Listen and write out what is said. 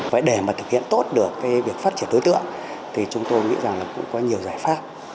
vậy để mà thực hiện tốt được cái việc phát triển đối tượng thì chúng tôi nghĩ rằng là cũng có nhiều giải pháp